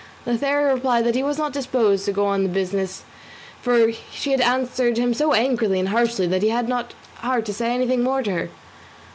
Lothario replied that he was not disposed to go on with the business, for she had answered him so angrily and harshly that he had no heart to say anything more to her.